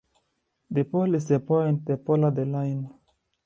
The pole is the point, the polar the line.